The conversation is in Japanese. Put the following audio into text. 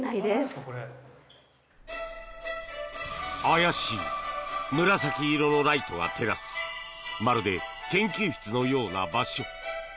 怪しい紫色のライトが照らすまるで研究室のような場所。